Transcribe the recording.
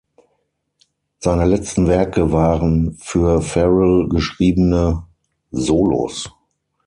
Seine letzten Werke waren für Farrell geschriebene Solos.